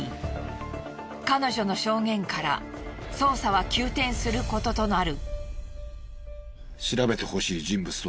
彼女の証言から捜査は急転することとなる。